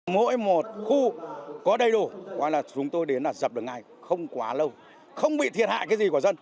mỗi một khu có đầy đủ gọi là chúng tôi đến là dập được ngay không quá lâu không bị thiệt hại cái gì của dân